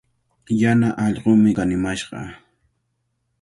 Yana allqumi kanimashqa.